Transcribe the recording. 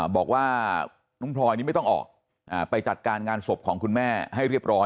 บอกว่าน้องพลอยนี่ไม่ต้องออกไปจัดการงานศพของคุณแม่ให้เรียบร้อย